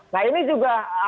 nah ini juga